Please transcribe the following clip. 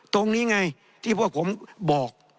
ตรงนี้ไงที่พวกผมบอก